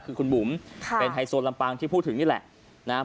คือคุณบุ๋มเป็นไทยโซนลำปังที่พูดถึงนี่แหละ